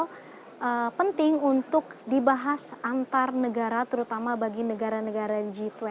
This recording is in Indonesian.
karena perubahan iklim itu adalah hal yang menjadi hal penting untuk dibahas antar negara terutama bagi negara negara g dua puluh